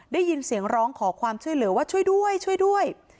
ได้ยินเสียงร้องขอความช่วยเหลือว่าช่วยด้วยช่วยด้วย